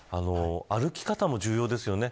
歩き方も重要ですよね。